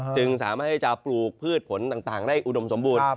จึงสามารถที่จะปลูกพืชผลต่างได้อุดมสมบูรณ์